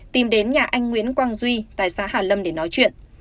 tìm đến nhà anh nguyễn quang duy tại xã hà lâm để nói chuyện